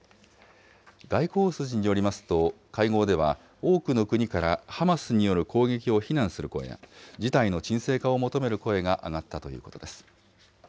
外交筋によりますと、会合では多くの国からハマスによる攻撃を非難する声や、事態の鎮静化を求める声が上がったということです。